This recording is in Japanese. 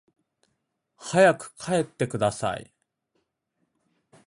早く帰ってください